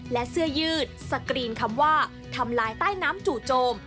และเสื้อยืดสกรีนคำว่าทำลายใต้น้ำจู่โจม